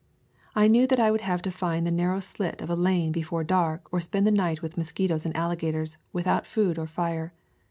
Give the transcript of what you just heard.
I knew that I would have to find the narrow slit of a lane before dark or spend the night with mosquitoes and alligators, without food or fire.